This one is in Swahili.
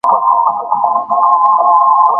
kupitia maziwa makubwa Kanda nyembamba la pwani